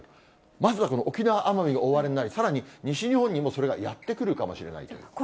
まずはこの沖縄・奄美が大荒れになり、さらに西日本にもそれがやって来るかもしれないということです。